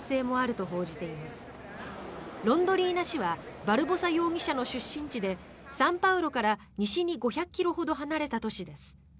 市はバルボサ容疑者の出身地でサンパウロから西に５００ｋｍほど離れた都市です。